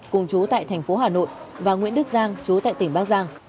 cùng chú tại thành phố hà nội và nguyễn đức giang chú tại tỉnh bắc giang